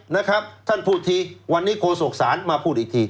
นะครับท่านพูดทีวันนี้โฆษกศาลมาพูดอีกที